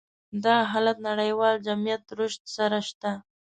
دغه حالت نړيوال جميعت رشد سره شته.